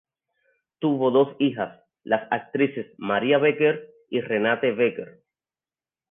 Tuvo dos hijas, las actrices Maria Becker y Renate Becker.